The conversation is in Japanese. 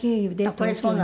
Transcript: これそうなの？